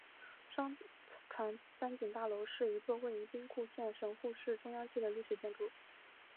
商船三井大楼是一座位于兵库县神户市中央区的历史建筑。